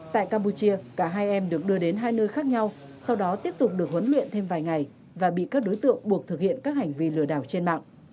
tại campuchia cả hai em được đưa đến hai nơi khác nhau sau đó tiếp tục được huấn luyện thêm vài ngày và bị các đối tượng buộc thực hiện các hành vi lừa đảo trên mạng